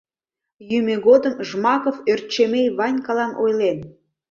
Йӱмӧ годым Жмаков Ӧрчемей Ванькалан ойлен: